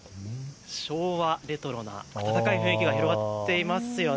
昭和レトロな温かい雰囲気が広がってますよね。